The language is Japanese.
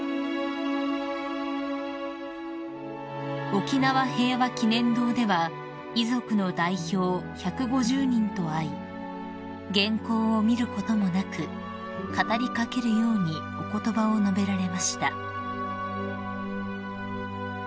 ［沖縄平和祈念堂では遺族の代表１５０人と会い原稿を見ることもなく語り掛けるようにお言葉を述べられました］